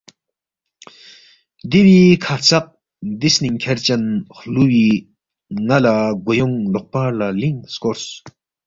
دیوئی کھا ہرژق دی سنینگ کھیرچن خلووی نالا گویونگ لوقپار لا لینگ سکورس۔